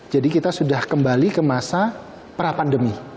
jadi kita sudah kembali ke masa pra pandemi